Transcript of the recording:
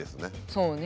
そうね。